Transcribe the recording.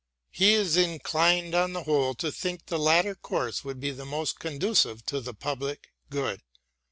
He is inclined on the whole to think the latter course would be most conducive to the public good.